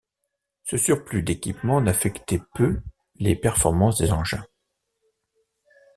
Ce surplus d'équipement n'affectait peu les performances des engins.